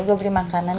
gue beri makanan